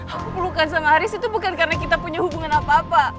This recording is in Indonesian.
aku pelukan sama haris itu bukan karena kita punya hubungan apa apa